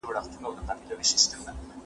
په چا دي ورلېږلي جهاني د قلم اوښکي